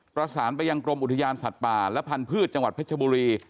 ประสานไปยังกรมอุทยานสัตว์ป่าและพันธุ์จังหวัดเพชรบุรี